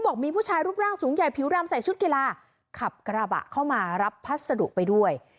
บอกมีผู้ชายรูปร่างสูงใหญ่ผิวรำใส่ชุดกีฬาขับกระบะเข้ามารับพัสดุไปด้วย